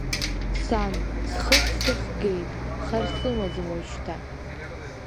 Сан, схыхь сыхгеит, хар сымаӡам уажәшьҭа!